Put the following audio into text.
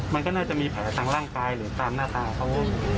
มันก็น่าจะมีแผลทางร่างกายหรือตามหน้าตาเขา